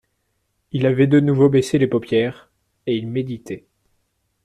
Il avait de nouveau baissé les paupières, et il méditait.